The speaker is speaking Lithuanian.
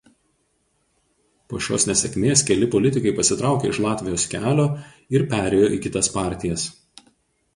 Po šios nesėkmės keli politikai pasitraukė iš Latvijos kelio ir perėjo į kitas partijas.